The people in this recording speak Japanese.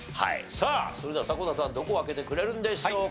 さあそれでは迫田さんどこを開けてくれるんでしょうか？